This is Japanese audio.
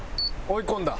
追い込んだ？